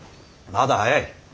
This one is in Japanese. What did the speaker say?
まだ早い。